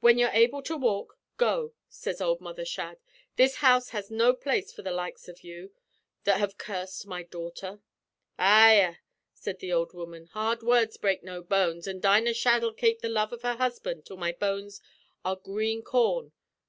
"'When you're able to walk go,' says ould Mother Shadd. 'This house has no place for the likes av you, that have cursed my daughter.' "Eyah!' said the ould woman. 'Hard words break no bones, an' Dinah Shadd'll kape the love av her husband till my bones are green corn.